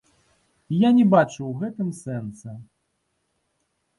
Я не бачу ў гэтым сэнса.